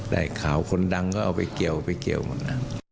ได้ข่าวคนดังก็เอาไปเกี่ยวมัน